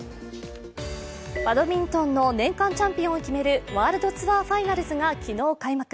バドミントンの年間チャンピオンを決めるワールドツアーファイナルズが昨日開幕。